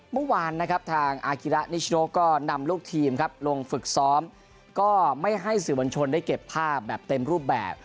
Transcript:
เมื่อวานนะครับทางอากิระนิชโนก็นำลูกทีมครับลงฝึกซ้อมก็ไม่ให้สื่อมวลชนได้เก็บภาพแบบเต็มรูปแบบ